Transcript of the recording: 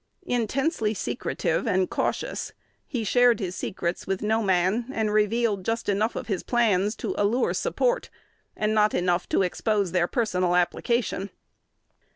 Intensely secretive and cautious, he shared his secrets with no man, and revealed just enough of his plans to allure support, and not enough to expose their personal application.